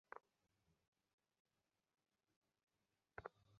কারণ হিসেবে মাইক্রোসফট বলছে, মানুষ প্রায়ই ভালো মুহূর্তগুলো ধারণ করতে পারে না।